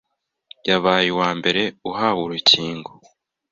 yabaye uwa mbere uhawe urukingo